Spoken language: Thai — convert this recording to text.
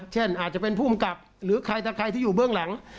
เช่นอาจจะเป็นผู้กำกับหรือใครถ้าใครที่อยู่เบื้องหลัง